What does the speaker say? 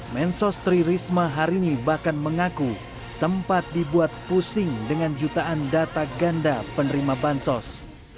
mensos tri risma hari ini bahkan mengaku sempat dibuat pusing dengan jutaan data ganda penerima bansos